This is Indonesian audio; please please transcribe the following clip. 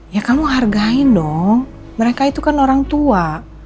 ya kamu hargai dong mereka itu kan orang tua